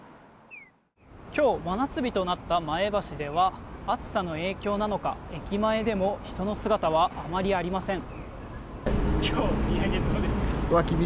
今日真夏日となった前橋では暑さの影響なのか駅前でも人の姿はあまりありません。